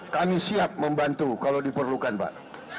kami siap membantu kalau diperlukan pak